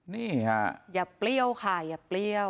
นี่ค่ะอย่าเปรี้ยวค่ะอย่าเปรี้ยว